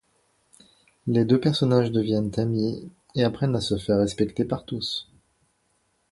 Les deux personnages deviennent amis et apprennent à se faire respecter par tous.